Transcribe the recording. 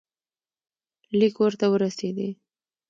لیک ورته ورسېدی.